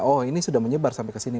oh ini sudah menyebar sampai ke sini